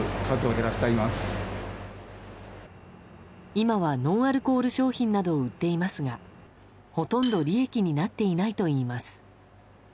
今はノンアルコール商品などを売っていますがほとんど利益になっていないといいます。